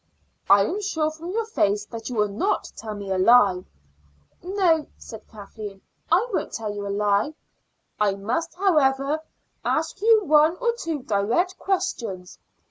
"I am sure from your face that you will not tell me a lie." "No," said Kathleen, "I won't tell you a lie." "I must, however, ask you one or two direct questions.